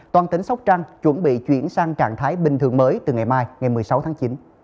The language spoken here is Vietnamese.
toàn tỉnh sóc trăng chuẩn bị chuyển sang trạng thái bình thường mới từ ngày mai ngày một mươi sáu tháng chín